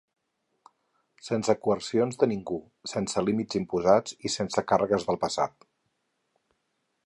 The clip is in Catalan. Sense coercions de ningú, sense límits imposats i sense càrregues del passat.